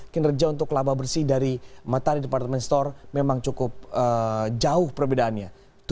kinerja untuk laba bersih dari matahari departemen store memang cukup jauh perbedaannya